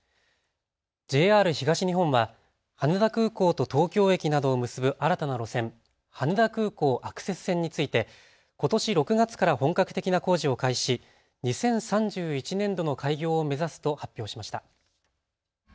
ＪＲ東日本は羽田空港と東京駅などを結ぶ新たな路線、羽田空港アクセス線についてことし６月から本格的な工事を開始し、２０３１年度の開業を目指すと発表しました。